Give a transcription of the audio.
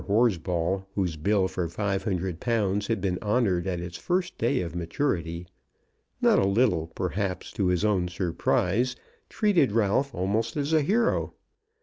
Horsball, whose bill for £500 had been honoured at its first day of maturity, not a little, perhaps, to his own surprise, treated Ralph almost as a hero.